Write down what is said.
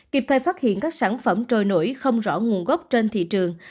kiếp thời phát hiện các sản phẩm trồi nổi không rõ nguồn gốc trên thị trường